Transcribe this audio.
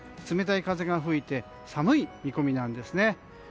冷たい風が吹いて寒い見込みなんですね。